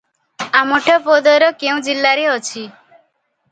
ଅମଠାପଦର କେଉଁ ଜିଲ୍ଲାରେ ଅଛି?